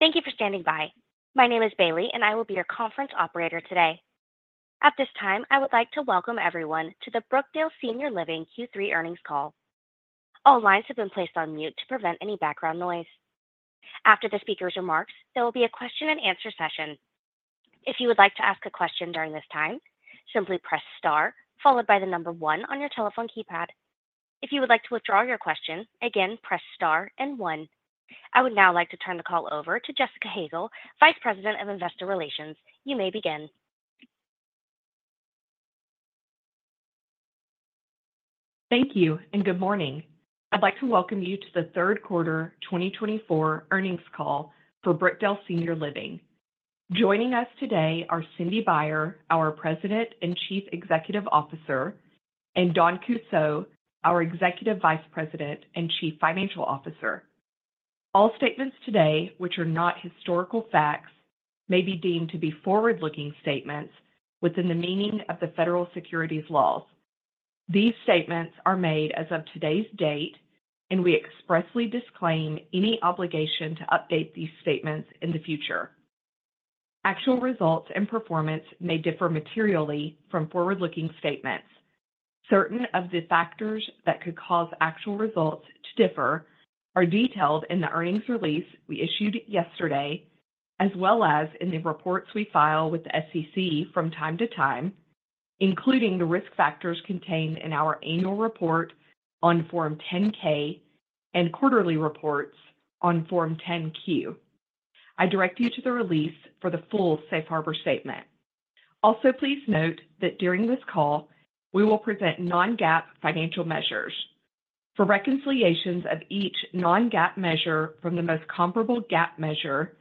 Thank you for standing by. My name is Bailey, and I will be your conference operator today. At this time, I would like to welcome everyone to the Brookdale Senior Living Q3 Earnings Call. All lines have been placed on mute to prevent any background noise. After the speaker's remarks, there will be a question-and-answer session. If you would like to ask a question during this time, simply press star followed by the number one on your telephone keypad. If you would like to withdraw your question, again, press star and one. I would now like to turn the call over to Jessica Hazel, Vice President of Investor Relations. You may begin. Thank you and good morning. I'd like to welcome you to the third quarter 2024 earnings call for Brookdale Senior Living. Joining us today are Cindy Baier, our President and Chief Executive Officer, and Dawn Kussow, our Executive Vice President and Chief Financial Officer. All statements today, which are not historical facts, may be deemed to be forward-looking statements within the meaning of the federal securities laws. These statements are made as of today's date, and we expressly disclaim any obligation to update these statements in the future. Actual results and performance may differ materially from forward-looking statements. Certain of the factors that could cause actual results to differ are detailed in the earnings release we issued yesterday, as well as in the reports we file with the SEC from time to time, including the risk factors contained in our annual report on Form 10-K and quarterly reports on Form 10-Q. I direct you to the release for the full Safe Harbor statement. Also, please note that during this call, we will present non-GAAP financial measures. For reconciliations of each non-GAAP measure from the most comparable GAAP measure,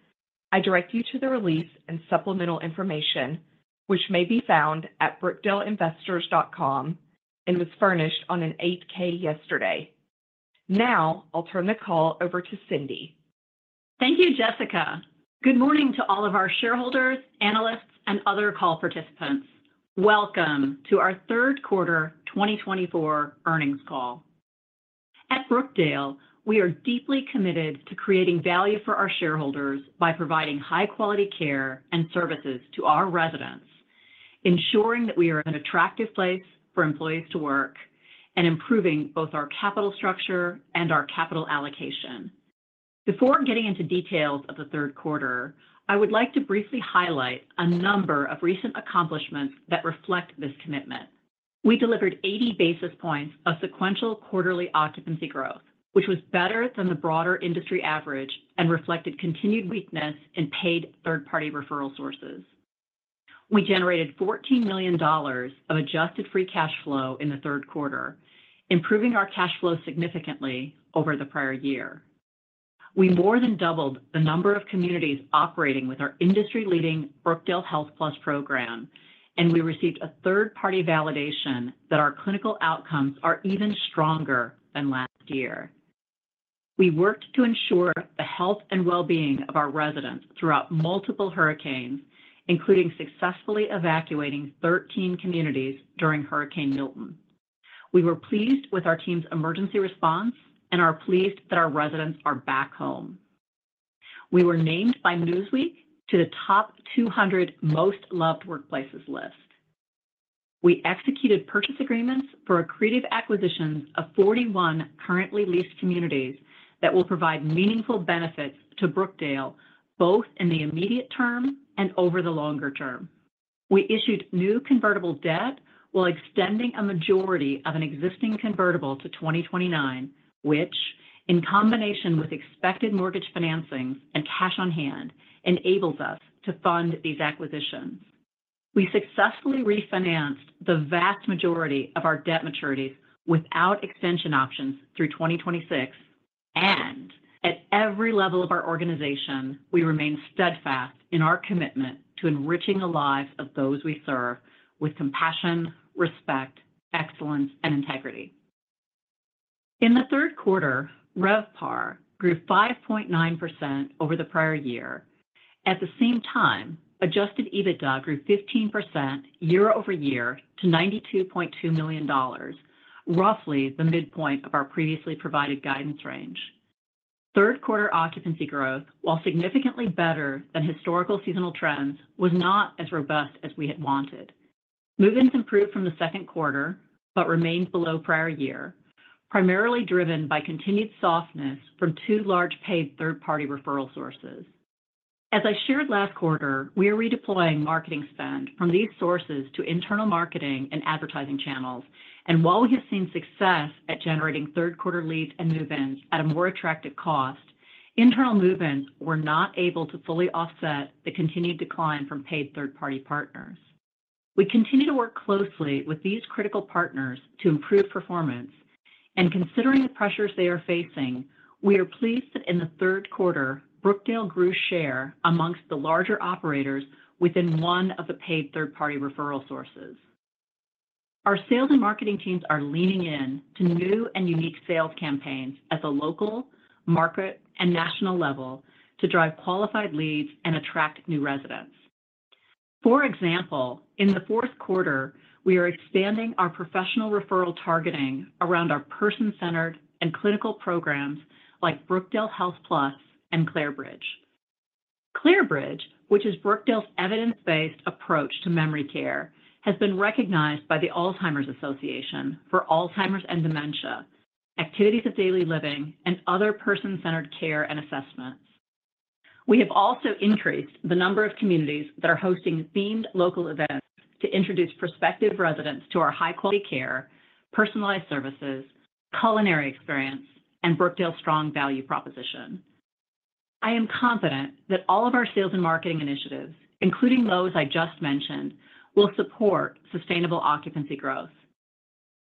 I direct you to the release and supplemental information, which may be found at brookdaleinvestors.com and was furnished on an 8-K yesterday. Now, I'll turn the call over to Cindy. Thank you, Jessica. Good morning to all of our shareholders, analysts, and other call participants. Welcome to our third quarter 2024 earnings call. At Brookdale, we are deeply committed to creating value for our shareholders by providing high-quality care and services to our residents, ensuring that we are an attractive place for employees to work, and improving both our capital structure and our capital allocation. Before getting into details of the third quarter, I would like to briefly highlight a number of recent accomplishments that reflect this commitment. We delivered 80 basis points of sequential quarterly occupancy growth, which was better than the broader industry average and reflected continued weakness in paid third-party referral sources. We generated $14 million of Adjusted free cash flow in the third quarter, improving our cash flow significantly over the prior year. We more than doubled the number of communities operating with our industry-leading Brookdale HealthPlus program, and we received a third-party validation that our clinical outcomes are even stronger than last year. We worked to ensure the health and well-being of our residents throughout multiple hurricanes, including successfully evacuating 13 communities during Hurricane Milton. We were pleased with our team's emergency response and are pleased that our residents are back home. We were named by Newsweek to the top 200 Most Loved Workplaces list. We executed purchase agreements for accretive acquisitions of 41 currently leased communities that will provide meaningful benefits to Brookdale, both in the immediate term and over the longer term. We issued new convertible debt while extending a majority of an existing convertible to 2029, which, in combination with expected mortgage financings and cash on hand, enables us to fund these acquisitions. We successfully refinanced the vast majority of our debt maturities without extension options through 2026, and at every level of our organization, we remain steadfast in our commitment to enriching the lives of those we serve with compassion, respect, excellence, and integrity. In the third quarter, RevPOR grew 5.9% over the prior year. At the same time, Adjusted EBITDA grew 15% year-over-year to $92.2 million, roughly the midpoint of our previously provided guidance range. Third quarter occupancy growth, while significantly better than historical seasonal trends, was not as robust as we had wanted. Move-ins improved from the second quarter but remained below prior year, primarily driven by continued softness from two large paid third-party referral sources. As I shared last quarter, we are redeploying marketing spend from these sources to internal marketing and advertising channels, and while we have seen success at generating third-quarter leads and movements at a more attractive cost, internal movements were not able to fully offset the continued decline from paid third-party partners. We continue to work closely with these critical partners to improve performance, and considering the pressures they are facing, we are pleased that in the third quarter, Brookdale grew share amongst the larger operators within one of the paid third-party referral sources. Our sales and marketing teams are leaning in to new and unique sales campaigns at the local, market, and national level to drive qualified leads and attract new residents. For example, in the fourth quarter, we are expanding our professional referral targeting around our person-centered and clinical programs like Brookdale HealthPlus and Clare Bridge. Clare Bridge, which is Brookdale's evidence-based approach to memory care, has been recognized by the Alzheimer's Association for Alzheimer's and dementia, activities of daily living, and other person-centered care and assessments. We have also increased the number of communities that are hosting themed local events to introduce prospective residents to our high-quality care, personalized services, culinary experience, and Brookdale's strong value proposition. I am confident that all of our sales and marketing initiatives, including those I just mentioned, will support sustainable occupancy growth.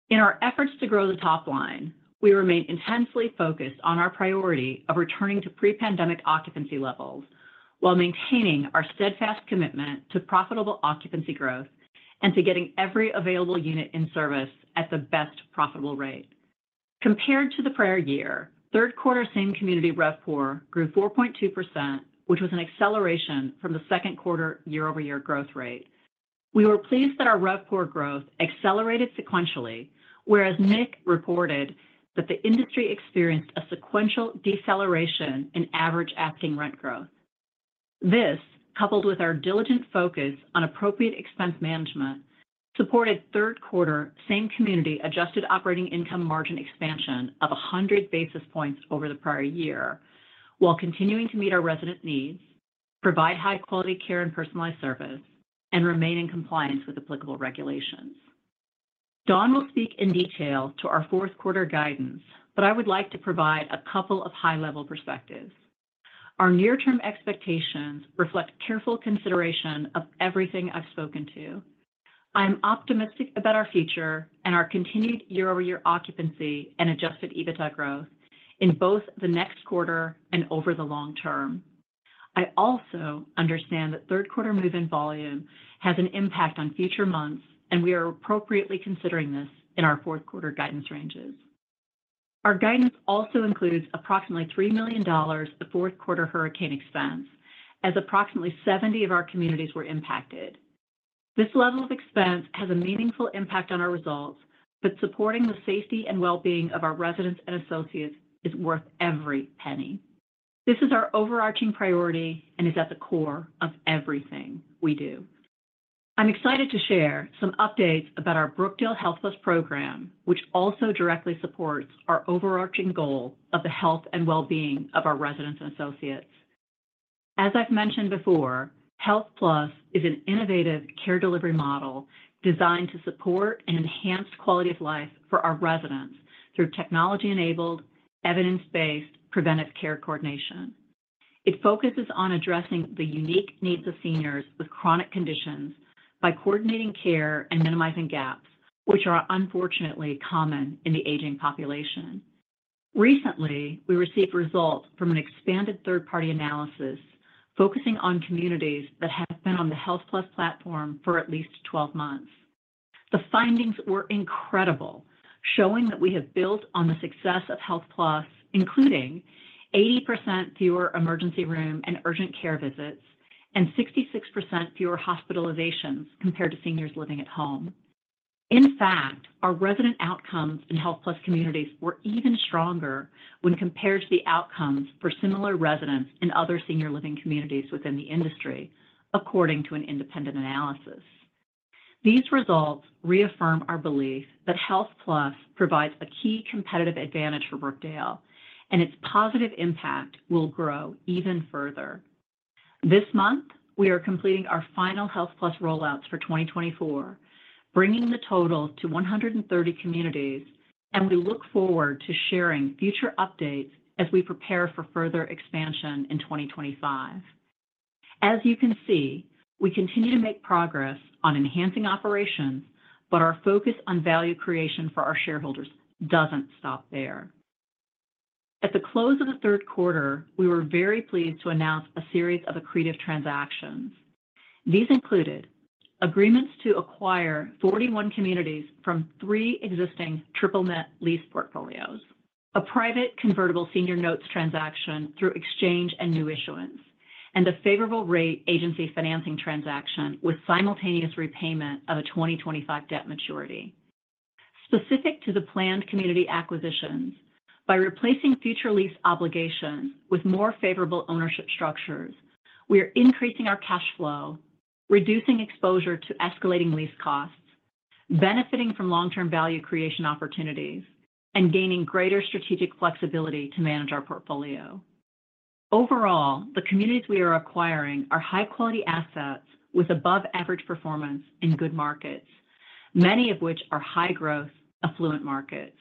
In our efforts to grow the top line, we remain intensely focused on our priority of returning to pre-pandemic occupancy levels while maintaining our steadfast commitment to profitable occupancy growth and to getting every available unit in service at the best profitable rate. Compared to the prior year, third quarter same community RevPOR grew 4.2%, which was an acceleration from the second quarter year-over-year growth rate. We were pleased that our RevPOR growth accelerated sequentially, whereas Nick reported that the industry experienced a sequential deceleration in average asking rent growth. This, coupled with our diligent focus on appropriate expense management, supported third quarter same community adjusted operating income margin expansion of 100 basis points over the prior year, while continuing to meet our resident needs, provide high-quality care and personalized service, and remain in compliance with applicable regulations. Dawn will speak in detail to our fourth quarter guidance, but I would like to provide a couple of high-level perspectives. Our near-term expectations reflect careful consideration of everything I've spoken to. I am optimistic about our future and our continued year-over-year occupancy and adjusted EBITDA growth in both the next quarter and over the long term. I also understand that third quarter move-in volume has an impact on future months, and we are appropriately considering this in our fourth quarter guidance ranges. Our guidance also includes approximately $3 million of fourth quarter hurricane expense, as approximately 70 of our communities were impacted. This level of expense has a meaningful impact on our results, but supporting the safety and well-being of our residents and associates is worth every penny. This is our overarching priority and is at the core of everything we do. I'm excited to share some updates about our Brookdale HealthPlus program, which also directly supports our overarching goal of the health and well-being of our residents and associates. As I've mentioned before, HealthPlus is an innovative care delivery model designed to support and enhance quality of life for our residents through technology-enabled, evidence-based preventive care coordination. It focuses on addressing the unique needs of seniors with chronic conditions by coordinating care and minimizing gaps, which are unfortunately common in the aging population. Recently, we received results from an expanded third-party analysis focusing on communities that have been on the HealthPlus platform for at least 12 months. The findings were incredible, showing that we have built on the success of HealthPlus, including 80% fewer emergency room and urgent care visits and 66% fewer hospitalizations compared to seniors living at home. In fact, our resident outcomes in HealthPlus communities were even stronger when compared to the outcomes for similar residents in other senior living communities within the industry, according to an independent analysis. These results reaffirm our belief that HealthPlus provides a key competitive advantage for Brookdale, and its positive impact will grow even further. This month, we are completing our final HealthPlus rollouts for 2024, bringing the total to 130 communities, and we look forward to sharing future updates as we prepare for further expansion in 2025. As you can see, we continue to make progress on enhancing operations, but our focus on value creation for our shareholders doesn't stop there. At the close of the third quarter, we were very pleased to announce a series of accretive transactions. These included agreements to acquire 41 communities from three existing triple-net lease portfolios, a private convertible senior notes transaction through exchange and new issuance, and a favorable rate agency financing transaction with simultaneous repayment of a 2025 debt maturity. Specific to the planned community acquisitions, by replacing future lease obligations with more favorable ownership structures, we are increasing our cash flow, reducing exposure to escalating lease costs, benefiting from long-term value creation opportunities, and gaining greater strategic flexibility to manage our portfolio. Overall, the communities we are acquiring are high-quality assets with above-average performance in good markets, many of which are high-growth, affluent markets.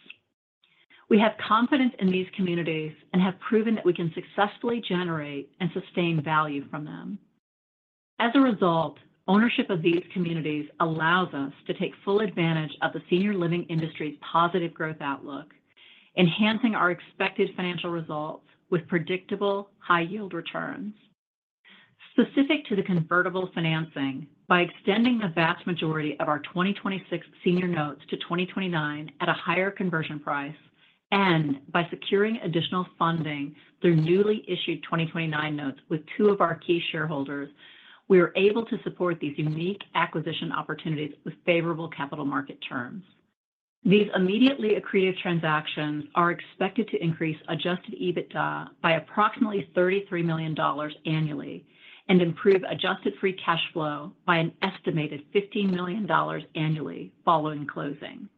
We have confidence in these communities and have proven that we can successfully generate and sustain value from them. As a result, ownership of these communities allows us to take full advantage of the senior living industry's positive growth outlook, enhancing our expected financial results with predictable high-yield returns. Specific to the convertible financing, by extending the vast majority of our 2026 senior notes to 2029 at a higher conversion price and by securing additional funding through newly issued 2029 notes with two of our key shareholders, we are able to support these unique acquisition opportunities with favorable capital market terms. These immediately accretive transactions are expected to increase adjusted EBITDA by approximately $33 million annually and improve adjusted free cash flow by an estimated $15 million annually following closing.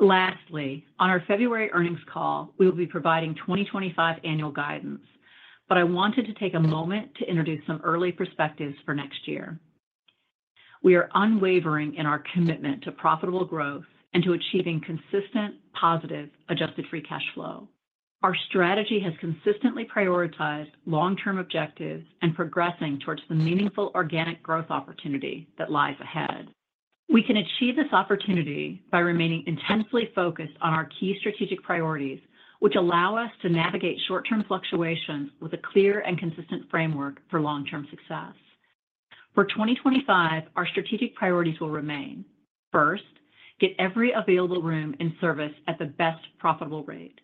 Lastly, on our February earnings call, we will be providing 2025 annual guidance, but I wanted to take a moment to introduce some early perspectives for next year. We are unwavering in our commitment to profitable growth and to achieving consistent positive adjusted free cash flow. Our strategy has consistently prioritized long-term objectives and progressing towards the meaningful organic growth opportunity that lies ahead. We can achieve this opportunity by remaining intensely focused on our key strategic priorities, which allow us to navigate short-term fluctuations with a clear and consistent framework for long-term success. For 2025, our strategic priorities will remain. First, get every available room in service at the best profitable rate.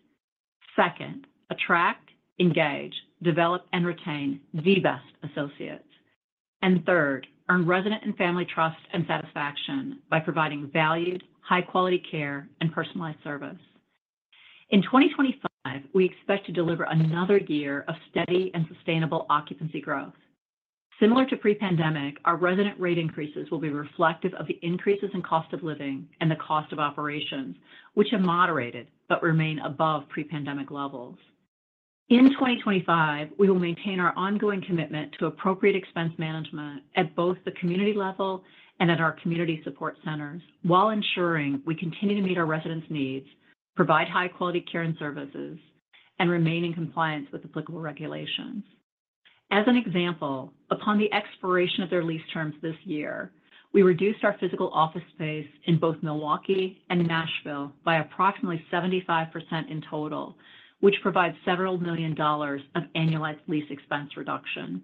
Second, attract, engage, develop, and retain the best associates, and third, earn resident and family trust and satisfaction by providing valued, high-quality care and personalized service. In 2025, we expect to deliver another year of steady and sustainable occupancy growth. Similar to pre-pandemic, our resident rate increases will be reflective of the increases in cost of living and the cost of operations, which are moderated but remain above pre-pandemic levels. In 2025, we will maintain our ongoing commitment to appropriate expense management at both the community level and at our community support centers while ensuring we continue to meet our residents' needs, provide high-quality care and services, and remain in compliance with applicable regulations. As an example, upon the expiration of their lease terms this year, we reduced our physical office space in both Milwaukee and Nashville by approximately 75% in total, which provides several million dollars of annualized lease expense reduction.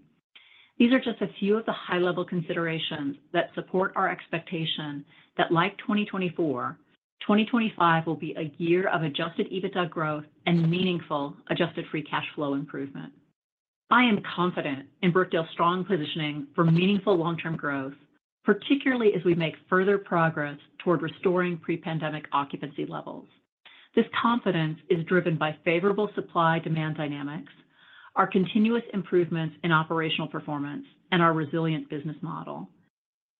These are just a few of the high-level considerations that support our expectation that, like 2024, 2025 will be a year of adjusted EBITDA growth and meaningful adjusted free cash flow improvement. I am confident in Brookdale's strong positioning for meaningful long-term growth, particularly as we make further progress toward restoring pre-pandemic occupancy levels. This confidence is driven by favorable supply-demand dynamics, our continuous improvements in operational performance, and our resilient business model.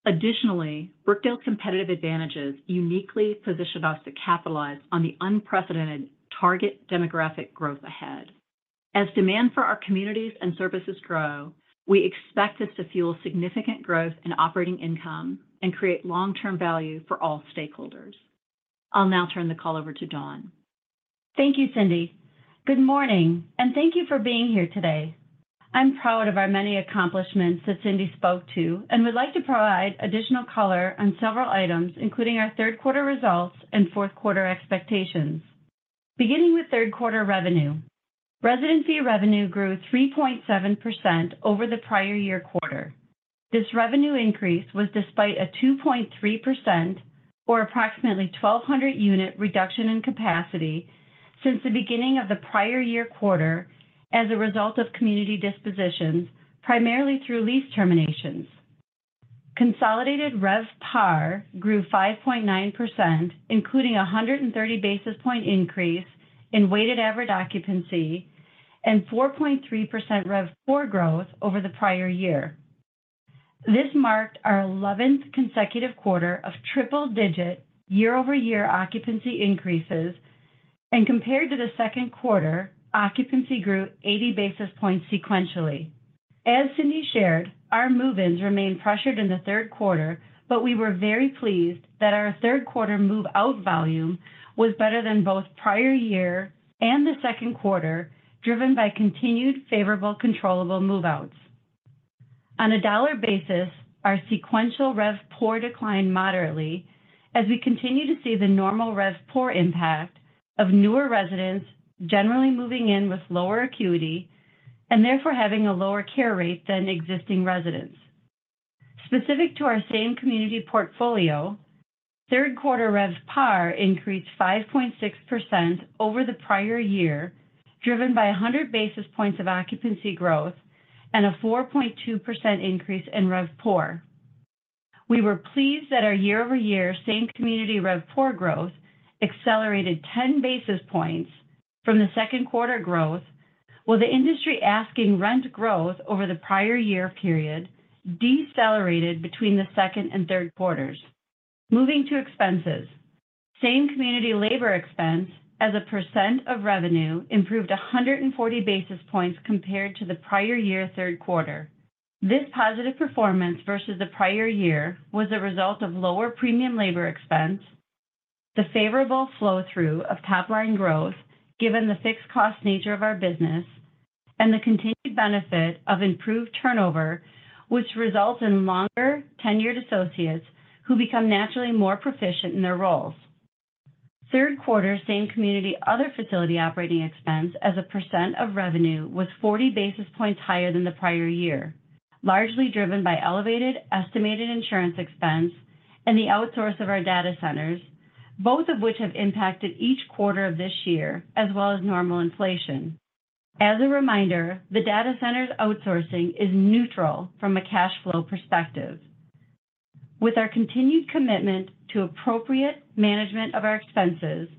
Additionally, Brookdale's competitive advantages uniquely position us to capitalize on the unprecedented target demographic growth ahead. As demand for our communities and services grow, we expect this to fuel significant growth in operating income and create long-term value for all stakeholders. I'll now turn the call over to Dawn. Thank you, Cindy. Good morning, and thank you for being here today. I'm proud of our many accomplishments that Cindy spoke to and would like to provide additional color on several items, including our third-quarter results and fourth-quarter expectations. Beginning with third-quarter revenue, residency revenue grew 3.7% over the prior year quarter. This revenue increase was despite a 2.3% or approximately 1,200 unit reduction in capacity since the beginning of the prior year quarter as a result of community dispositions, primarily through lease terminations. Consolidated RevPOR grew 5.9%, including a 130 basis points increase in weighted average occupancy, and 4.3% RevPOR growth over the prior year. This marked our 11th consecutive quarter of triple-digit year-over-year occupancy increases, and compared to the second quarter, occupancy grew 80 basis points sequentially. As Cindy shared, our move-ins remained pressured in the third quarter, but we were very pleased that our third-quarter move-out volume was better than both prior year and the second quarter, driven by continued favorable controllable move-outs. On a dollar basis, our sequential RevPOR declined moderately as we continue to see the normal RevPOR impact of newer residents generally moving in with lower acuity and therefore having a lower care rate than existing residents. Specific to our same community portfolio, third-quarter RevPOR increased 5.6% over the prior year, driven by 100 basis points of occupancy growth and a 4.2% increase in RevPOR. We were pleased that our year-over-year same community RevPOR growth accelerated 10 basis points from the second quarter growth, while the industry asking rent growth over the prior year period decelerated between the second and third quarters. Moving to expenses, same community labor expense as a percent of revenue improved 140 basis points compared to the prior year third quarter. This positive performance versus the prior year was a result of lower premium labor expense, the favorable flow-through of top-line growth given the fixed-cost nature of our business, and the continued benefit of improved turnover, which results in longer tenured associates who become naturally more proficient in their roles. Third-quarter same community other facility operating expense as a % of revenue was 40 basis points higher than the prior year, largely driven by elevated estimated insurance expense and the outsourcing of our data centers, both of which have impacted each quarter of this year as well as normal inflation. As a reminder, the data centers outsourcing is neutral from a cash flow perspective. With our continued commitment to appropriate management of our expenses,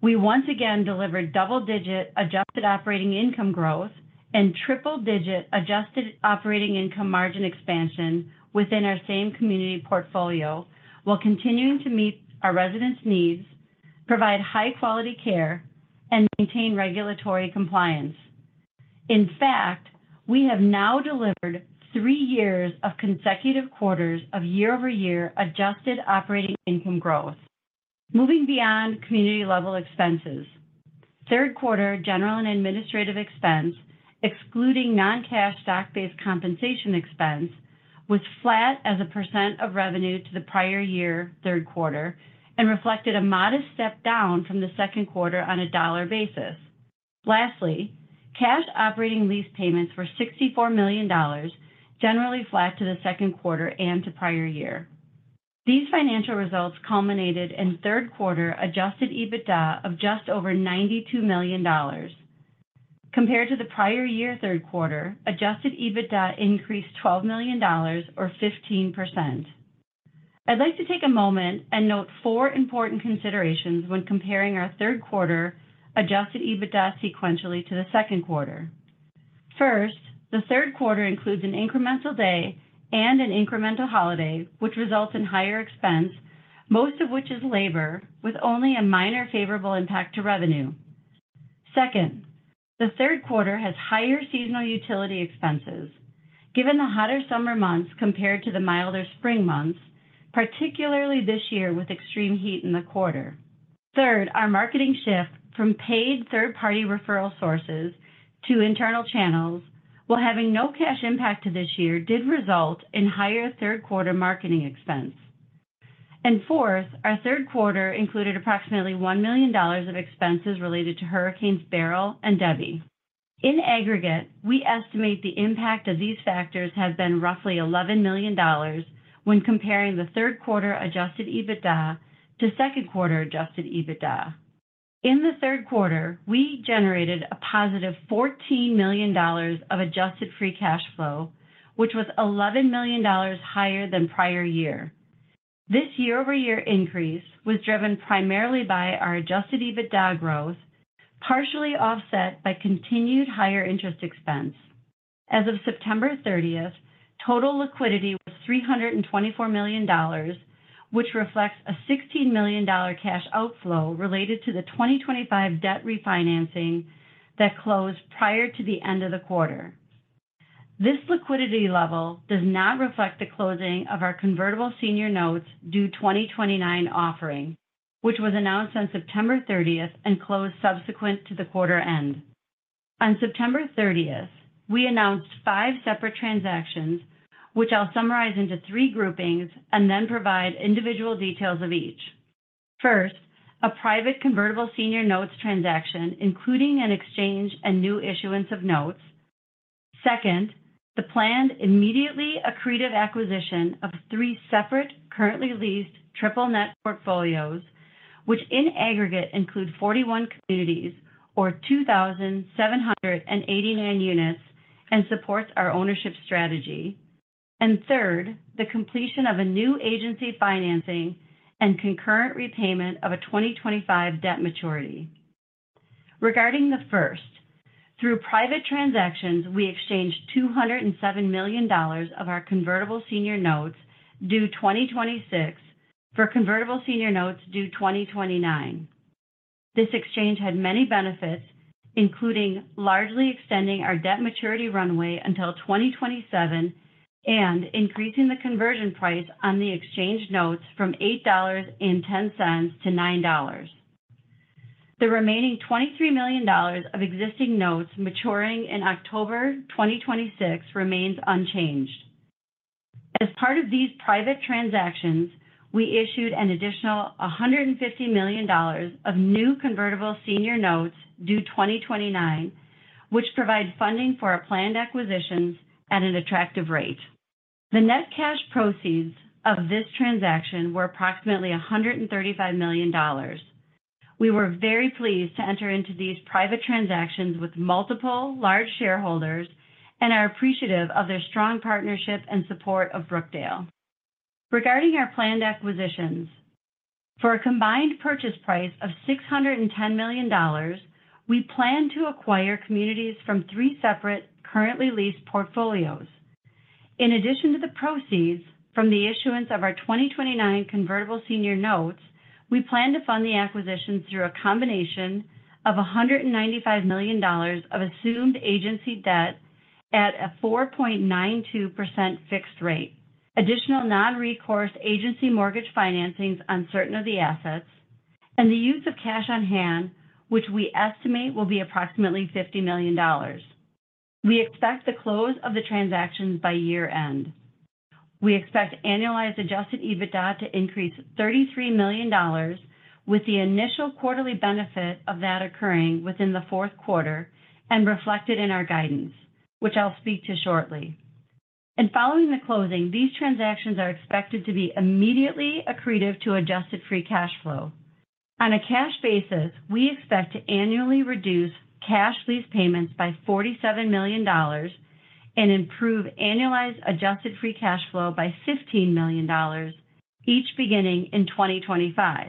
we once again delivered double-digit adjusted operating income growth and triple-digit adjusted operating income margin expansion within our same community portfolio while continuing to meet our residents' needs, provide high-quality care, and maintain regulatory compliance. In fact, we have now delivered three years of consecutive quarters of year-over-year adjusted operating income growth. Moving beyond community-level expenses, third-quarter general and administrative expense, excluding non-cash stock-based compensation expense, was flat as a percent of revenue to the prior year third quarter and reflected a modest step down from the second quarter on a dollar basis. Lastly, cash operating lease payments were $64 million, generally flat to the second quarter and to prior year. These financial results culminated in third-quarter adjusted EBITDA of just over $92 million. Compared to the prior year third quarter, adjusted EBITDA increased $12 million or 15%. I'd like to take a moment and note four important considerations when comparing our third-quarter Adjusted EBITDA sequentially to the second quarter. First, the third quarter includes an incremental day and an incremental holiday, which results in higher expense, most of which is labor, with only a minor favorable impact to revenue. Second, the third quarter has higher seasonal utility expenses, given the hotter summer months compared to the milder spring months, particularly this year with extreme heat in the quarter. Third, our marketing shift from paid third-party referral sources to internal channels, while having no cash impact to this year, did result in higher third-quarter marketing expense. And fourth, our third quarter included approximately $1 million of expenses related to Hurricanes Beryl and Debbie. In aggregate, we estimate the impact of these factors has been roughly $11 million when comparing the third-quarter Adjusted EBITDA to second-quarter Adjusted EBITDA. In the third quarter, we generated a positive $14 million of adjusted free cash flow, which was $11 million higher than prior year. This year-over-year increase was driven primarily by our adjusted EBITDA growth, partially offset by continued higher interest expense. As of September 30th, total liquidity was $324 million, which reflects a $16 million cash outflow related to the 2025 debt refinancing that closed prior to the end of the quarter. This liquidity level does not reflect the closing of our convertible senior notes due 2029 offering, which was announced on September 30th and closed subsequent to the quarter end. On September 30th, we announced five separate transactions, which I'll summarize into three groupings and then provide individual details of each. First, a private convertible senior notes transaction, including an exchange and new issuance of notes. Second, the planned immediately accretive acquisition of three separate currently leased triple-net portfolios, which in aggregate include 41 communities or 2,789 units and supports our ownership strategy, and third, the completion of a new agency financing and concurrent repayment of a 2025 debt maturity. Regarding the first, through private transactions, we exchanged $207 million of our convertible senior notes due 2026 for convertible senior notes due 2029. This exchange had many benefits, including largely extending our debt maturity runway until 2027 and increasing the conversion price on the exchanged notes from $8.10 to $9. The remaining $23 million of existing notes maturing in October 2026 remains unchanged. As part of these private transactions, we issued an additional $150 million of new convertible senior notes due 2029, which provide funding for our planned acquisitions at an attractive rate. The net cash proceeds of this transaction were approximately $135 million. We were very pleased to enter into these private transactions with multiple large shareholders and are appreciative of their strong partnership and support of Brookdale. Regarding our planned acquisitions, for a combined purchase price of $610 million, we plan to acquire communities from three separate currently leased portfolios. In addition to the proceeds from the issuance of our 2029 convertible senior notes, we plan to fund the acquisitions through a combination of $195 million of assumed agency debt at a 4.92% fixed rate, additional non-recourse agency mortgage financings on certain of the assets, and the use of cash on hand, which we estimate will be approximately $50 million. We expect the close of the transactions by year-end. We expect annualized Adjusted EBITDA to increase $33 million, with the initial quarterly benefit of that occurring within the fourth quarter and reflected in our guidance, which I'll speak to shortly. Following the closing, these transactions are expected to be immediately accretive to Adjusted free cash flow. On a cash basis, we expect to annually reduce cash lease payments by $47 million and improve annualized Adjusted free cash flow by $15 million, each beginning in 2025.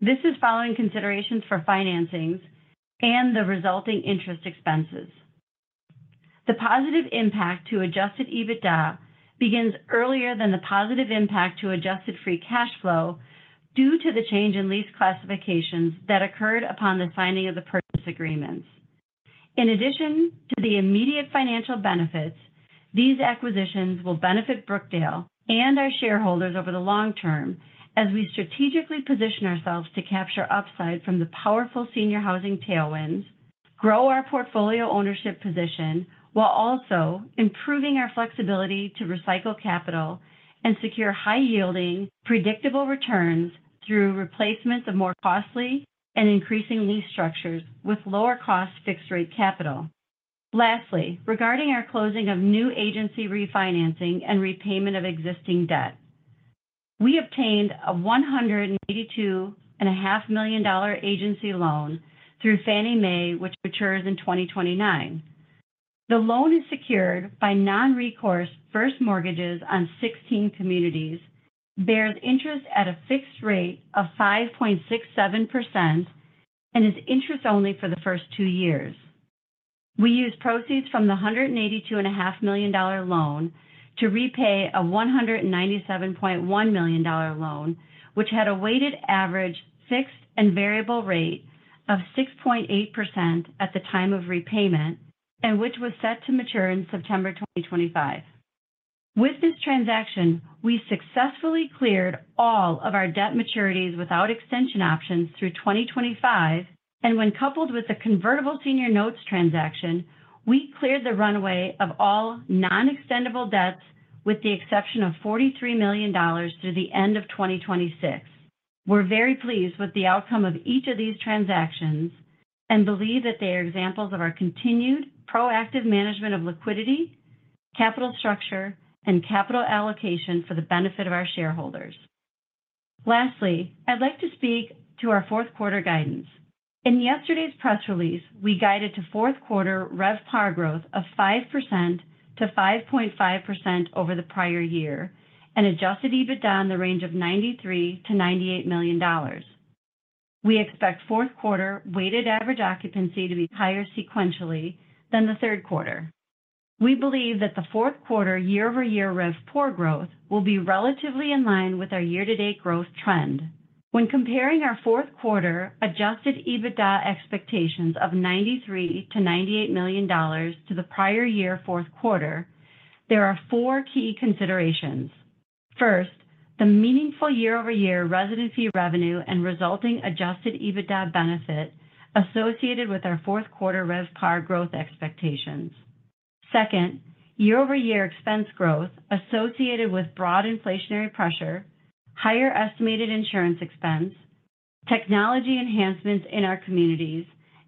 This is following considerations for financings and the resulting interest expenses. The positive impact to Adjusted EBITDA begins earlier than the positive impact to Adjusted free cash flow due to the change in lease classifications that occurred upon the signing of the purchase agreements. In addition to the immediate financial benefits, these acquisitions will benefit Brookdale and our shareholders over the long term as we strategically position ourselves to capture upside from the powerful senior housing tailwinds, grow our portfolio ownership position while also improving our flexibility to recycle capital and secure high-yielding, predictable returns through replacements of more costly and increasing lease structures with lower-cost fixed-rate capital. Lastly, regarding our closing of new agency refinancing and repayment of existing debt, we obtained a $182.5 million agency loan through Fannie Mae, which matures in 2029. The loan is secured by non-recourse first mortgages on 16 communities, bears interest at a fixed rate of 5.67%, and is interest-only for the first two years. We use proceeds from the $182.5 million loan to repay a $197.1 million loan, which had a weighted average fixed and variable rate of 6.8% at the time of repayment and which was set to mature in September 2025. With this transaction, we successfully cleared all of our debt maturities without extension options through 2025, and when coupled with the convertible senior notes transaction, we cleared the runway of all non-extendable debts with the exception of $43 million through the end of 2026. We're very pleased with the outcome of each of these transactions and believe that they are examples of our continued proactive management of liquidity, capital structure, and capital allocation for the benefit of our shareholders. Lastly, I'd like to speak to our fourth-quarter guidance. In yesterday's press release, we guided to fourth-quarter RevPOR growth of 5%-5.5% over the prior year and Adjusted EBITDA in the range of $93-$98 million. We expect fourth-quarter weighted average occupancy to be higher sequentially than the third quarter. We believe that the fourth-quarter year-over-year RevPOR growth will be relatively in line with our year-to-date growth trend. When comparing our fourth-quarter Adjusted EBITDA expectations of $93-$98 million to the prior year fourth quarter, there are four key considerations. First, the meaningful year-over-year residency revenue and resulting Adjusted EBITDA benefit associated with our fourth-quarter RevPOR growth expectations. Second, year-over-year expense growth associated with broad inflationary pressure, higher estimated insurance expense, technology enhancements in our communities,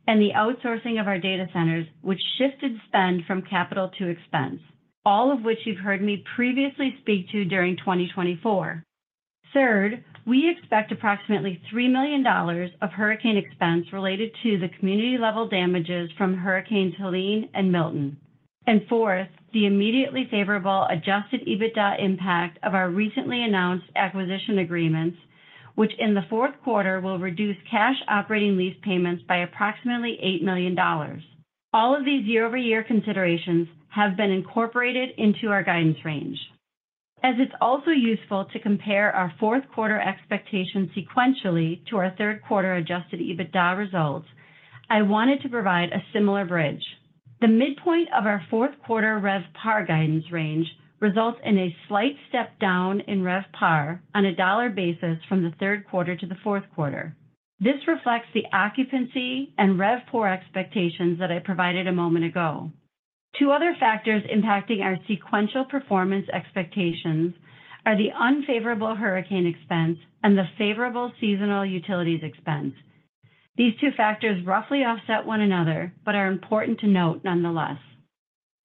and the outsourcing of our data centers, which shifted spend from capital to expense, all of which you've heard me previously speak to during 2024. Third, we expect approximately $3 million of hurricane expense related to the community-level damages from Hurricanes Helene and Milton, and fourth, the immediately favorable adjusted EBITDA impact of our recently announced acquisition agreements, which in the fourth quarter will reduce cash operating lease payments by approximately $8 million. All of these year-over-year considerations have been incorporated into our guidance range. As it's also useful to compare our fourth-quarter expectations sequentially to our third-quarter adjusted EBITDA results, I wanted to provide a similar bridge. The midpoint of our fourth-quarter RevPOR guidance range results in a slight step down in RevPOR on a dollar basis from the third quarter to the fourth quarter. This reflects the occupancy and RevPOR expectations that I provided a moment ago. Two other factors impacting our sequential performance expectations are the unfavorable hurricane expense and the favorable seasonal utilities expense. These two factors roughly offset one another, but are important to note nonetheless.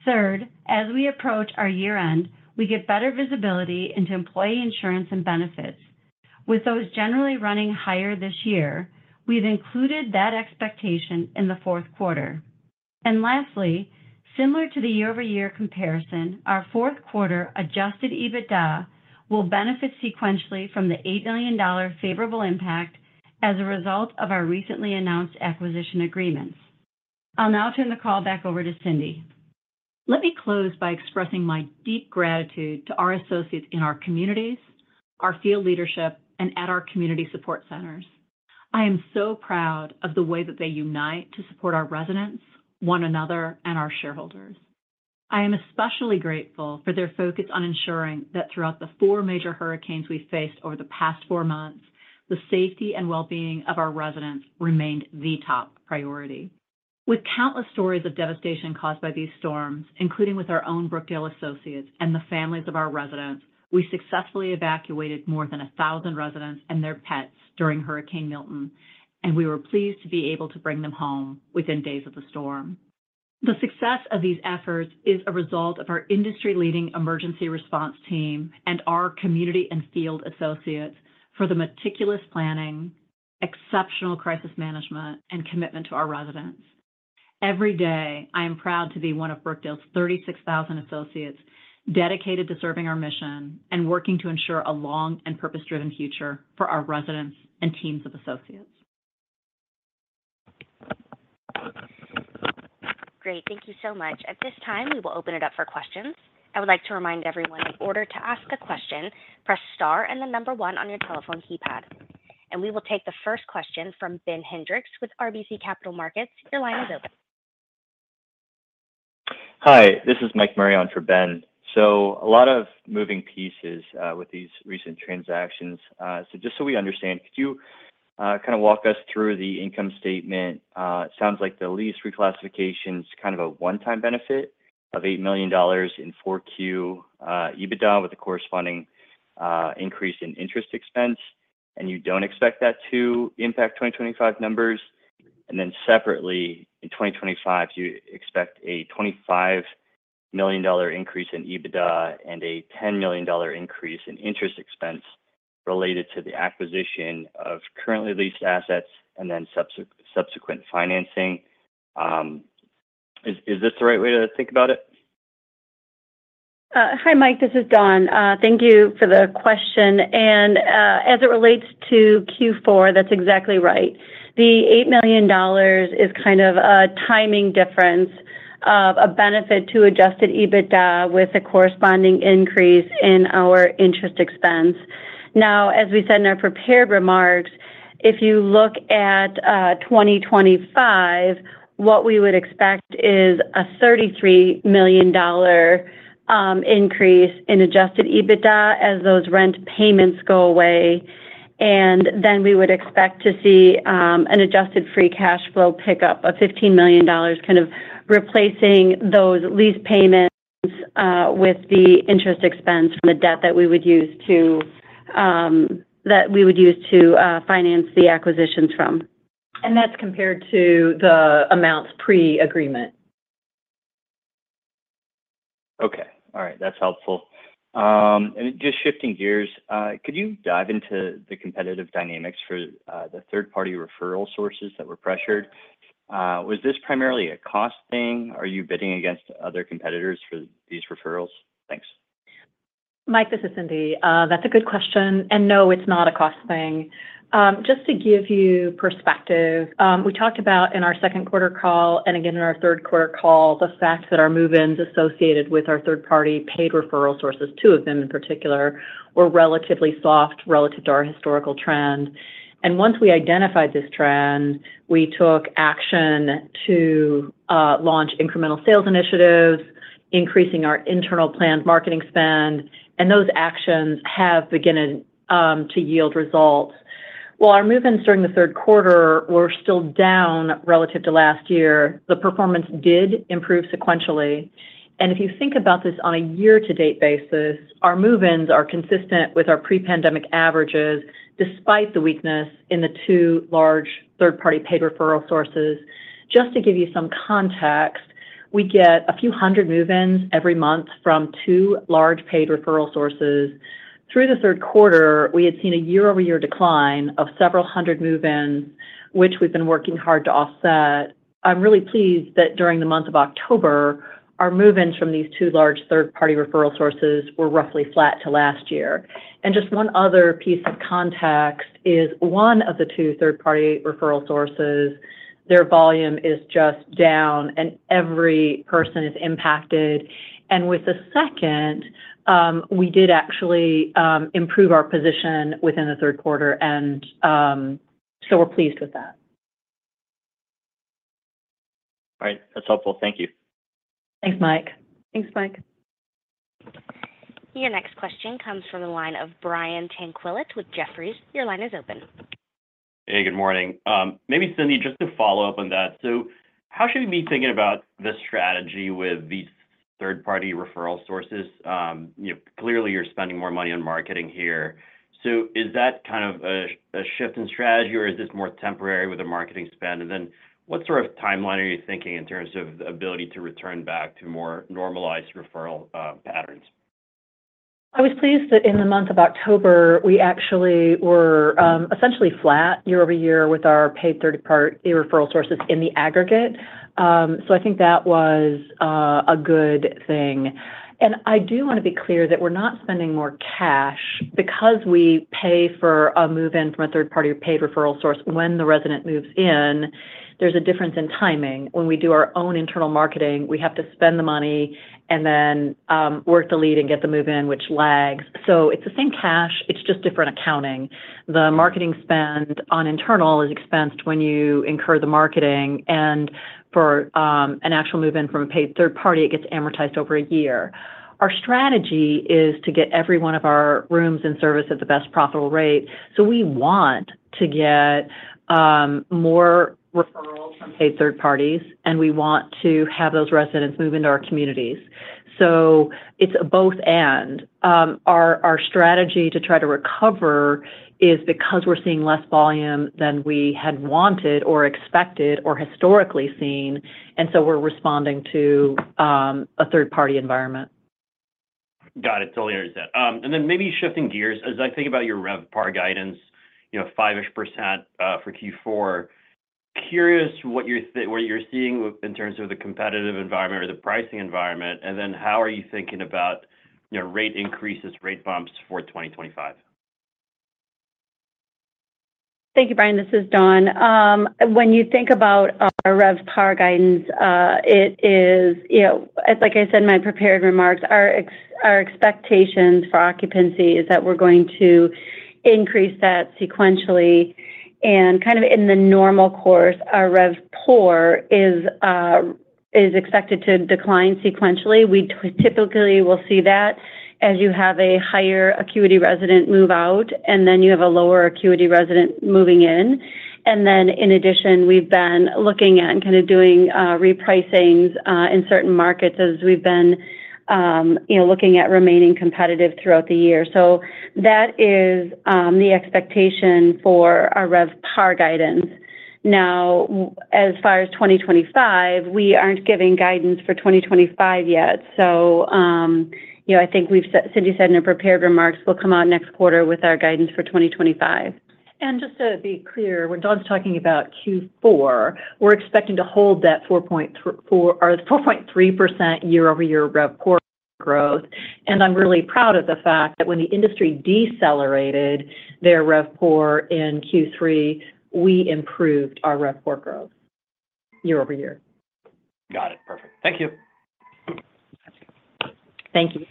Third, as we approach our year-end, we get better visibility into employee insurance and benefits. With those generally running higher this year, we've included that expectation in the fourth quarter. And lastly, similar to the year-over-year comparison, our fourth-quarter Adjusted EBITDA will benefit sequentially from the $8 million favorable impact as a result of our recently announced acquisition agreements. I'll now turn the call back over to Cindy. Let me close by expressing my deep gratitude to our associates in our communities, our field leadership, and at our community support centers. I am so proud of the way that they unite to support our residents, one another, and our shareholders. I am especially grateful for their focus on ensuring that throughout the four major hurricanes we faced over the past four months, the safety and well-being of our residents remained the top priority. With countless stories of devastation caused by these storms, including with our own Brookdale associates and the families of our residents, we successfully evacuated more than 1,000 residents and their pets during Hurricane Milton, and we were pleased to be able to bring them home within days of the storm. The success of these efforts is a result of our industry-leading emergency response team and our community and field associates for the meticulous planning, exceptional crisis management, and commitment to our residents. Every day, I am proud to be one of Brookdale's 36,000 associates dedicated to serving our mission and working to ensure a long and purpose-driven future for our residents and teams of associates. Great. Thank you so much. At this time, we will open it up for questions. I would like to remind everyone in order to ask a question, press star and the number one on your telephone keypad. And we will take the first question from Ben Hendrix with RBC Capital Markets. Your line is open. Hi, this is Mike Marion for Ben. So a lot of moving pieces with these recent transactions. So just so we understand, could you kind of walk us through the income statement? It sounds like the lease reclassification is kind of a one-time benefit of $8 million in Q4 EBITDA with a corresponding increase in interest expense, and you don't expect that to impact 2025 numbers. And then separately, in 2025, you expect a $25 million increase in EBITDA and a $10 million increase in interest expense related to the acquisition of currently leased assets and then subsequent financing. Is this the right way to think about it? Hi, Mike. This is Dawn. Thank you for the question. And as it relates to Q4, that's exactly right. The $8 million is kind of a timing difference of a benefit to adjusted EBITDA with a corresponding increase in our interest expense. Now, as we said in our prepared remarks, if you look at 2025, what we would expect is a $33 million increase in adjusted EBITDA as those rent payments go away. And then we would expect to see an adjusted free cash flow pickup of $15 million, kind of replacing those lease payments with the interest expense from the debt that we would use to finance the acquisitions from. And that's compared to the amounts pre-agreement. Okay. All right. That's helpful. And just shifting gears, could you dive into the competitive dynamics for the third-party referral sources that were pressured? Was this primarily a cost thing? Are you bidding against other competitors for these referrals? Thanks. Mike, this is Cindy. That's a good question. And no, it's not a cost thing. Just to give you perspective, we talked about in our second-quarter call and again in our third-quarter call, the fact that our move-ins associated with our third-party paid referral sources, two of them in particular, were relatively soft relative to our historical trend. Once we identified this trend, we took action to launch incremental sales initiatives, increasing our internal planned marketing spend, and those actions have begun to yield results. While our move-ins during the third quarter were still down relative to last year, the performance did improve sequentially. If you think about this on a year-to-date basis, our move-ins are consistent with our pre-pandemic averages despite the weakness in the two large third-party paid referral sources. Just to give you some context, we get a few hundred move-ins every month from two large paid referral sources. Through the third quarter, we had seen a year-over-year decline of several hundred move-ins, which we've been working hard to offset. I'm really pleased that during the month of October, our move-ins from these two large third-party referral sources were roughly flat to last year. Just one other piece of context is one of the two third-party referral sources, their volume is just down, and every person is impacted. With the second, we did actually improve our position within the third quarter, and so we're pleased with that. All right. That's helpful. Thank you. Thanks, Mike. Thanks, Mike. Your next question comes from the line of Brian Tanquilut with Jefferies. Your line is open. Hey, good morning. Maybe, Cindy, just to follow up on that. How should we be thinking about this strategy with these third-party referral sources? Clearly, you're spending more money on marketing here. So is that kind of a shift in strategy, or is this more temporary with the marketing spend? And then what sort of timeline are you thinking in terms of the ability to return back to more normalized referral patterns? I was pleased that in the month of October, we actually were essentially flat year-over-year with our paid third-party referral sources in the aggregate. So I think that was a good thing. And I do want to be clear that we're not spending more cash because we pay for a move-in from a third-party paid referral source when the resident moves in. There's a difference in timing. When we do our own internal marketing, we have to spend the money and then work the lead and get the move-in, which lags. So it's the same cash. It's just different accounting. The marketing spend on internal is expensed when you incur the marketing. And for an actual move-in from a paid third party, it gets amortized over a year. Our strategy is to get every one of our rooms and service at the best profitable rate. So we want to get more referrals from paid third parties, and we want to have those residents move into our communities. So it's a both/and. Our strategy to try to recover is because we're seeing less volume than we had wanted or expected or historically seen, and so we're responding to a third-party environment. Got it. Totally understand. And then maybe shifting gears, as I think about your RevPOR guidance, five-ish% for Q4, curious what you're seeing in terms of the competitive environment or the pricing environment, and then how are you thinking about rate increases, rate bumps for 2025? Thank you, Brian. This is Dawn. When you think about our RevPOR guidance, it is, like I said in my prepared remarks, our expectations for occupancy is that we're going to increase that sequentially. And kind of in the normal course, our RevPOR is expected to decline sequentially. We typically will see that as you have a higher acuity resident move out, and then you have a lower acuity resident moving in. And then in addition, we've been looking at kind of doing repricings in certain markets as we've been looking at remaining competitive throughout the year. So that is the expectation for our RevPOR guidance. Now, as far as 2025, we aren't giving guidance for 2025 yet. So I think we've said, Cindy said in her prepared remarks, we'll come out next quarter with our guidance for 2025. And just to be clear, when Dawn's talking about Q4, we're expecting to hold that 4.3% year-over-year RevPOR growth. And I'm really proud of the fact that when the industry decelerated their RevPOR in Q3, we improved our RevPOR growth year-over-year. Got it. Perfect. Thank you. Thank you.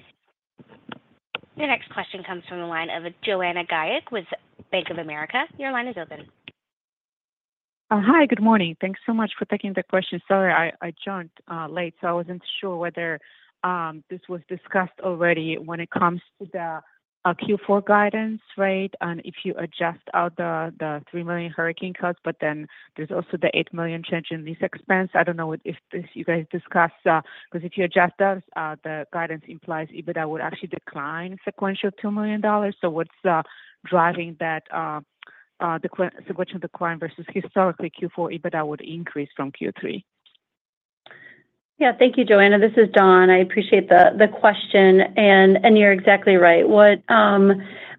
Your next question comes from the line of Joanna Gajuk with Bank of America. Your line is open. Hi, good morning. Thanks so much for taking the question. Sorry, I joined late. So I wasn't sure whether this was discussed already when it comes to the Q4 guidance rate and if you adjust out the $3 million hurricane cuts, but then there's also the $8 million change in lease expense. I don't know if you guys discussed because if you adjust that, the guidance implies EBITDA would actually decline sequentially $2 million. So what's driving that sequential decline versus historically Q4 EBITDA would increase from Q3? Yeah. Thank you, Joanna. This is Dawn. I appreciate the question. And you're exactly right. What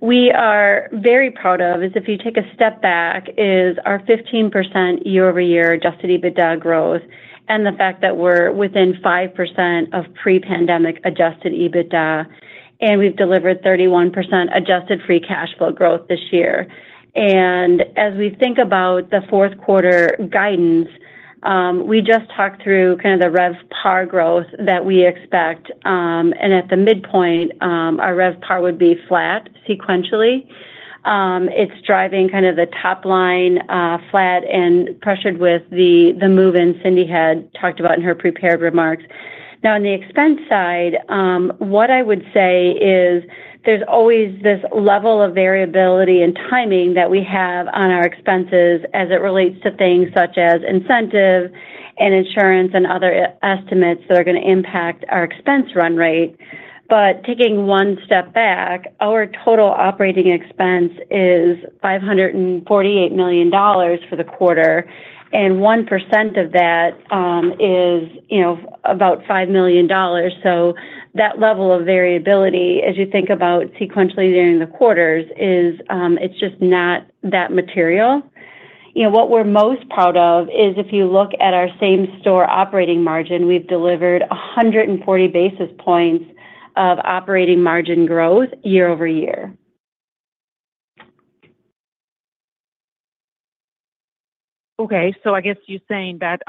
we are very proud of is if you take a step back, is our 15% year-over-year adjusted EBITDA growth and the fact that we're within 5% of pre-pandemic adjusted EBITDA, and we've delivered 31% adjusted free cash flow growth this year, and as we think about the fourth quarter guidance, we just talked through kind of the RevPOR growth that we expect. And at the midpoint, our RevPOR would be flat sequentially. It's driving kind of the top line flat and pressured with the move-in Cindy had talked about in her prepared remarks. Now, on the expense side, what I would say is there's always this level of variability in timing that we have on our expenses as it relates to things such as incentive and insurance and other estimates that are going to impact our expense run rate. But taking one step back, our total operating expense is $548 million for the quarter, and 1% of that is about $5 million. So that level of variability, as you think about sequentially during the quarters, it's just not that material. What we're most proud of is if you look at our same-store operating margin, we've delivered 140 basis points of operating margin growth year-over-year. Okay. So I guess you're saying that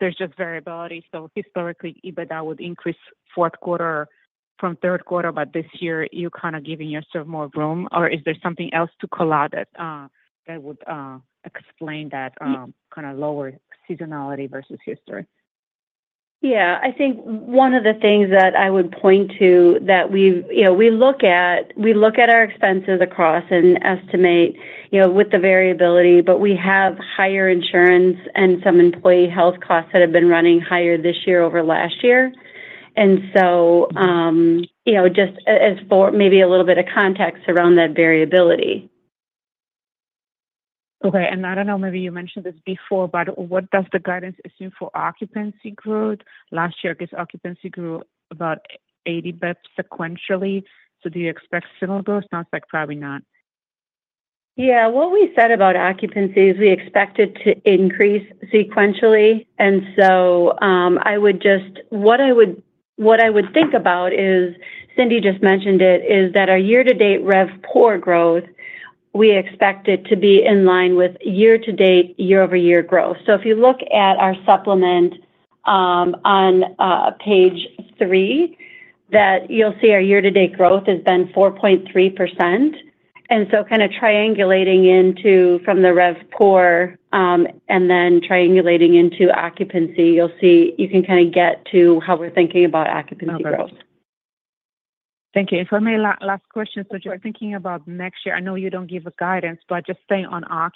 there's just variability. So historically, EBITDA would increase fourth quarter from third quarter, but this year, you're kind of giving yourself more room, or is there something else to collate that would explain that kind of lower seasonality versus history? Yeah. I think one of the things that I would point to that we look at our expenses across and estimate with the variability, but we have higher insurance and some employee health costs that have been running higher this year over last year. And so just maybe a little bit of context around that variability. Okay. I don't know, maybe you mentioned this before, but what does the guidance assume for occupancy growth? Last year, I guess occupancy grew about 80 basis points sequentially. So do you expect similar growth? Sounds like probably not. Yeah. What we said about occupancy is we expect it to increase sequentially. And so I would just what I would think about is, Cindy just mentioned it, is that our year-to-date RevPOR growth, we expect it to be in line with year-to-date, year-over-year growth. So if you look at our supplement on page three, you'll see our year-to-date growth has been 4.3%. And so kind of triangulating in from the RevPOR and then triangulating into occupancy, you'll see you can kind of get to how we're thinking about occupancy growth. Thank you. And for me, last question. So just thinking about next year, I know you don't give a guidance, but just staying on par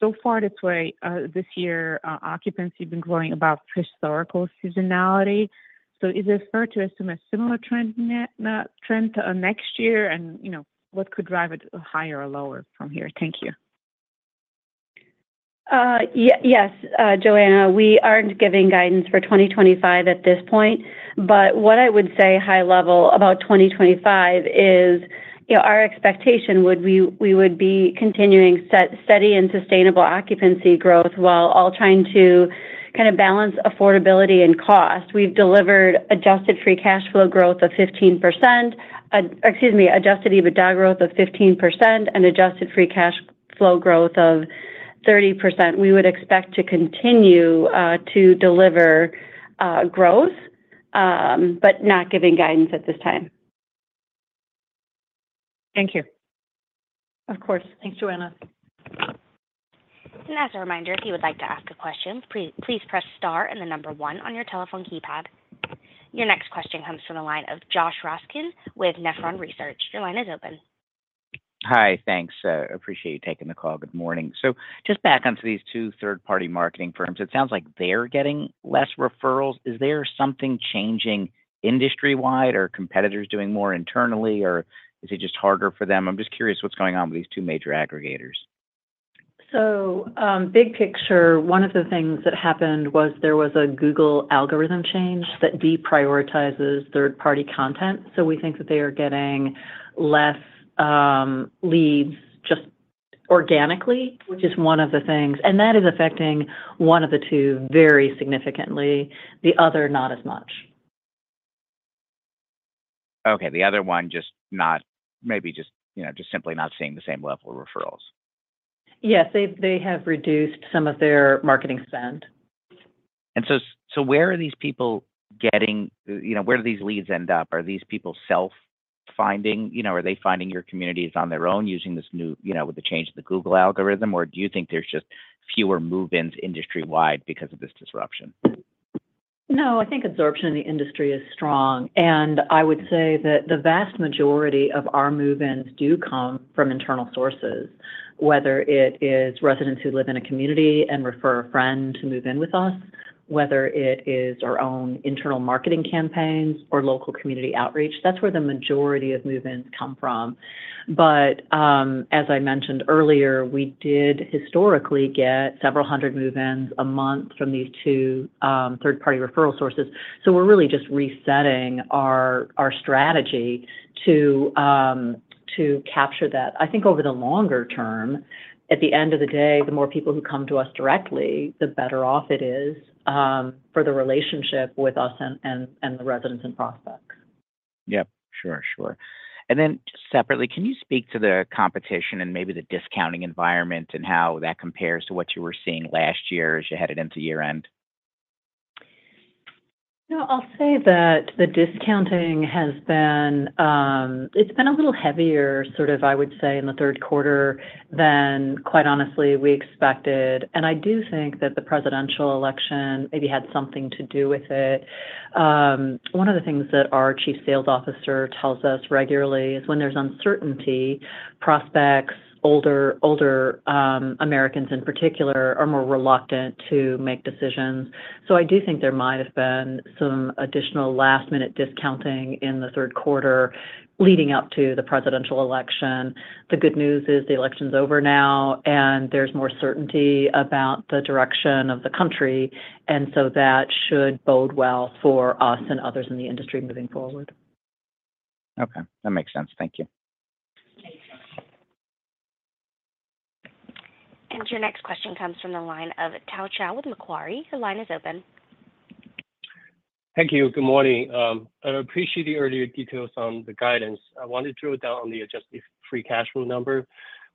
so far this year, occupancy has been growing about historical seasonality. So is it fair to assume a similar trend next year, and what could drive it higher or lower from here? Thank you. Yes, Joanna. We aren't giving guidance for 2025 at this point, but what I would say high level about 2025 is our expectation would be we would be continuing steady and sustainable occupancy growth while all trying to kind of balance affordability and cost. We've delivered Adjusted free cash flow growth of 15% or excuse me, Adjusted EBITDA growth of 15% and Adjusted free cash flow growth of 30%. We would expect to continue to deliver growth, but not giving guidance at this time. Thank you. Of course. Thanks, Joanna. And as a reminder, if you would like to ask a question, please press star and the number one on your telephone keypad. Your next question comes from the line of Josh Raskin with Nephron Research. Your line is open. Hi. Thanks. Appreciate you taking the call. Good morning. So just back onto these two third-party marketing firms. It sounds like they're getting less referrals. Is there something changing industry-wide or competitors doing more internally, or is it just harder for them? I'm just curious what's going on with these two major aggregators. So big picture, one of the things that happened was there was a Google algorithm change that deprioritizes third-party content. So we think that they are getting less leads just organically, which is one of the things. And that is affecting one of the two very significantly. The other, not as much. Okay. The other one, just maybe just simply not seeing the same level of referrals. Yes. They have reduced some of their marketing spend. And so where do these leads end up? Are these people self-finding? Are they finding your communities on their own using this new with the change in the Google algorithm, or do you think there's just fewer move-ins industry-wide because of this disruption? No. I think absorption in the industry is strong, and I would say that the vast majority of our move-ins do come from internal sources, whether it is residents who live in a community and refer a friend to move in with us, whether it is our own internal marketing campaigns or local community outreach. That's where the majority of move-ins come from, but as I mentioned earlier, we did historically get several hundred move-ins a month from these two third-party referral sources, so we're really just resetting our strategy to capture that. I think over the longer term, at the end of the day, the more people who come to us directly, the better off it is for the relationship with us and the residents and prospects. Yep. Sure, sure. And then separately, can you speak to the competition and maybe the discounting environment and how that compares to what you were seeing last year as you headed into year-end? I'll say that the discounting has been a little heavier, sort of I would say, in the third quarter than, quite honestly, we expected. And I do think that the presidential election maybe had something to do with it. One of the things that our Chief Sales Officer tells us regularly is when there's uncertainty, prospects, older Americans in particular, are more reluctant to make decisions. So I do think there might have been some additional last-minute discounting in the third quarter leading up to the presidential election. The good news is the election's over now, and there's more certainty about the direction of the country. And so that should bode well for us and others in the industry moving forward. Okay. That makes sense. Thank you. And your next question comes from the line of Tao Qiu with Macquarie. The line is open. Thank you. Good morning. I appreciate the earlier details on the guidance. I wanted to drill down on the adjusted free cash flow number,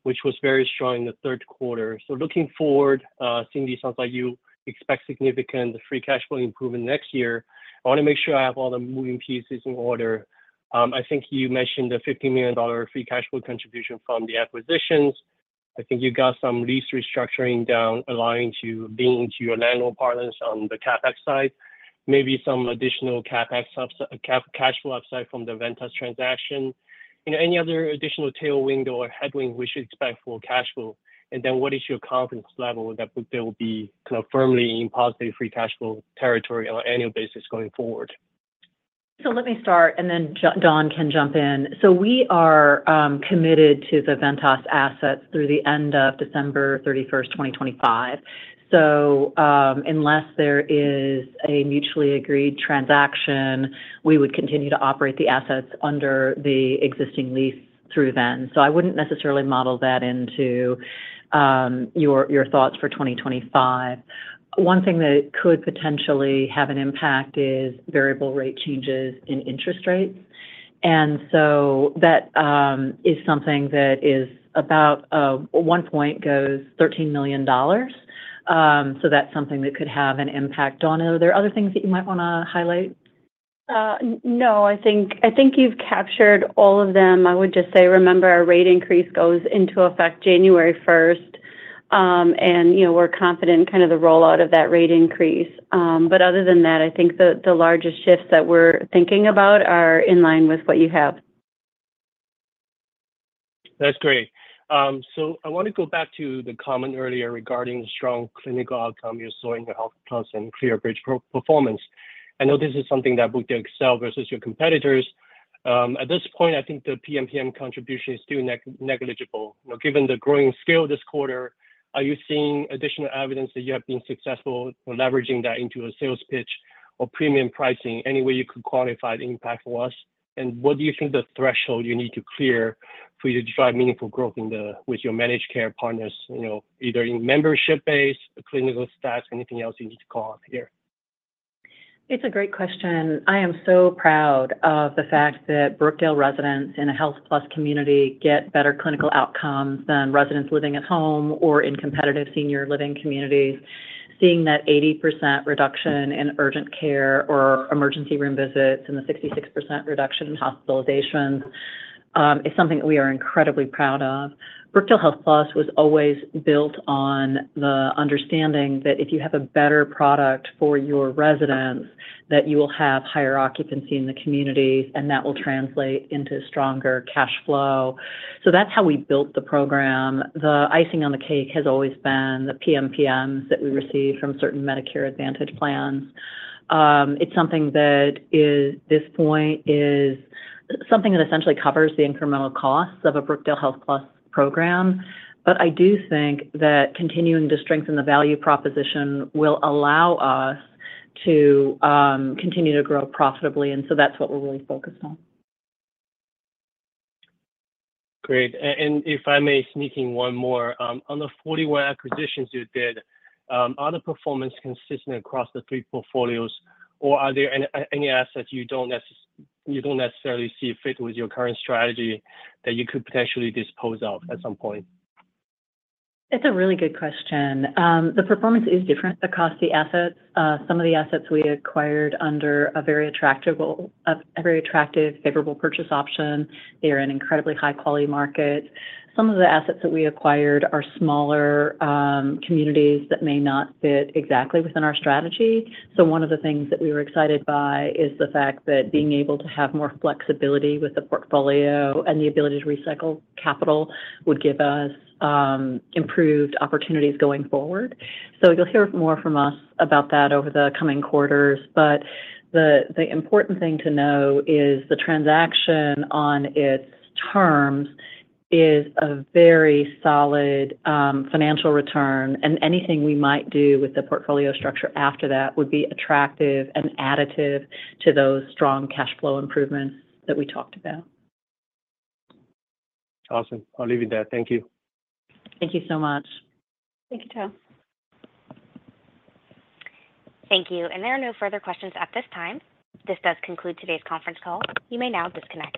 which was very strong in the third quarter. So looking forward, Cindy, it sounds like you expect significant free cash flow improvement next year. I want to make sure I have all the moving pieces in order. I think you mentioned the $15 million free cash flow contribution from the acquisitions. I think you got some lease restructuring done, allowing you to be into your landlord parlance on the CapEx side, maybe some additional CapEx cash flow upside from the Ventas transaction. Any other additional tailwind or headwind we should expect for cash flow? And then what is your confidence level that there will be kind of firmly in positive free cash flow territory on an annual basis going forward? So let me start, and then Dawn can jump in. So we are committed to the Ventas assets through the end of December 31st, 2025. So unless there is a mutually agreed transaction, we would continue to operate the assets under the existing lease through then. So I wouldn't necessarily model that into your thoughts for 2025. One thing that could potentially have an impact is variable rate changes in interest rates. And so that is something that is about at one point costs $13 million. So that's something that could have an impact on it. Dawn are there other things that you might want to highlight? No. I think you've captured all of them. I would just say, remember, our rate increase goes into effect January 1st. And we're confident in kind of the rollout of that rate increase. But other than that, I think the largest shifts that we're thinking about are in line with what you have. That's great. So I want to go back to the comment earlier regarding the strong clinical outcome you saw in your HealthPlus and Clare Bridge performance. I know this is something that would excel versus your competitors. At this point, I think the PMPM contribution is still negligible. Given the growing scale this quarter, are you seeing additional evidence that you have been successful leveraging that into a sales pitch or premium pricing, any way you could quantify the impact for us? And what do you think the threshold you need to clear for you to drive meaningful growth with your managed care partners, either in membership base, clinical stats, anything else you need to call out here? It's a great question. I am so proud of the fact that Brookdale residents in a HealthPlus community get better clinical outcomes than residents living at home or in competitive senior living communities. Seeing that 80% reduction in urgent care or emergency room visits and the 66% reduction in hospitalizations is something that we are incredibly proud of. Brookdale HealthPlus was always built on the understanding that if you have a better product for your residents, that you will have higher occupancy in the communities, and that will translate into stronger cash flow. So that's how we built the program. The icing on the cake has always been the PMPMs that we receive from certain Medicare Advantage plans. It's something that, at this point, is something that essentially covers the incremental costs of a Brookdale HealthPlus program. But I do think that continuing to strengthen the value proposition will allow us to continue to grow profitably. And so that's what we're really focused on. Great. And if I may sneak in one more, on the 41 acquisitions you did, are the performance consistent across the three portfolios, or are there any assets you don't necessarily see fit with your current strategy that you could potentially dispose of at some point? That's a really good question. The performance is different across the assets. Some of the assets we acquired under a very attractive favorable purchase option. They are in an incredibly high-quality market. Some of the assets that we acquired are smaller communities that may not fit exactly within our strategy. So one of the things that we were excited by is the fact that being able to have more flexibility with the portfolio and the ability to recycle capital would give us improved opportunities going forward. So you'll hear more from us about that over the coming quarters. But the important thing to know is the transaction on its terms is a very solid financial return, and anything we might do with the portfolio structure after that would be attractive and additive to those strong cash flow improvements that we talked about. Awesome. I'll leave it there. Thank you. Thank you so much. Thank you, Tao. Thank you. And there are no further questions at this time. This does conclude today's conference call. You may now disconnect.